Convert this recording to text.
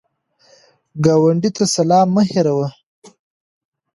ګاونډي ته سلام مه هېروه